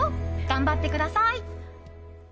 頑張ってください。